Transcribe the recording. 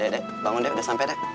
dek bangun deh udah sampe dek